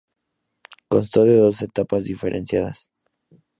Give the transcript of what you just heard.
Constó de dos etapas diferenciadas.